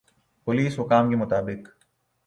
police حکام کا مطابق